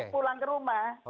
pulang ke rumah